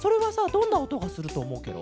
どんなおとがするとおもうケロ？